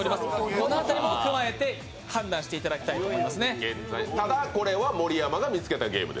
この辺りも踏まえて判断していただきたいと思いますね。